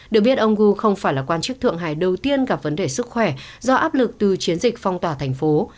được biết ông gu không phải là quan chức thượng hải đầu tiên gặp vấn đề sức khỏe do áp lực từ chiến dịch phong tỏa thành phố